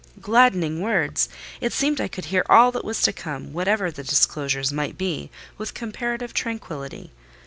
Gladdening words! It seemed I could hear all that was to come—whatever the disclosures might be—with comparative tranquillity.